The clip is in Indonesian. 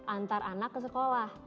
antar anak ke sekolah